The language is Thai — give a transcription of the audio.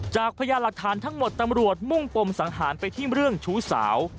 พยานหลักฐานทั้งหมดตำรวจมุ่งปมสังหารไปที่เรื่องชู้สาว